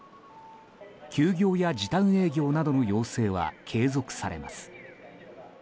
休業や時短営業などの要請は継続されます。